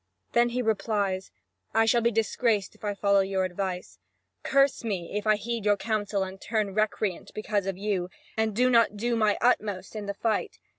Then he replies: "I shall be disgraced if I follow your advice. Curse me if I heed your counsel and turn recreant because of you, and do not do my utmost in the fight.